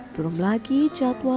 belum lagi jatuh